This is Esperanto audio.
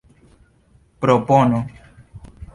propono